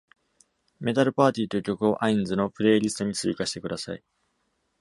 メタルパーティーという曲を ines のプレイリストに追加してください